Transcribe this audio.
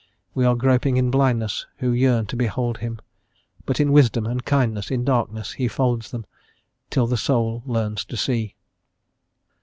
We are groping in blindness Who yearn to behold Him: But in wisdom and kindness In darkness He folds Him Till the soul learns to see.